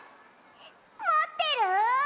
もってる？